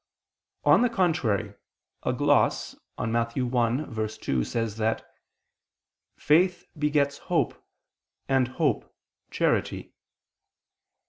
On the contrary, A gloss on Matt. 1:2 says that "faith begets hope, and hope, charity."